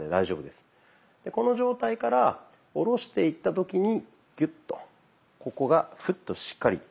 この状態から下ろしていった時にギュッとここがフッとしっかり。